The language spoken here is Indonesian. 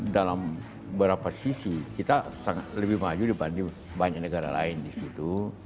dalam beberapa sisi kita lebih maju dibanding banyak negara lain di situ